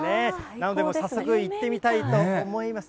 なので、早速行ってみたいと思います。